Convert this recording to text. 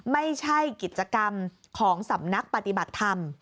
ไม่ใช่กิจกรรมของสำนักปฏิบัติธรรม